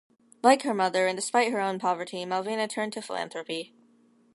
Like her mother and despite her own poverty Malvina turned to philanthropy.